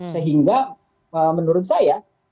sehingga menurut saya